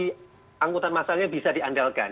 jadi anggota masalnya bisa diandalkan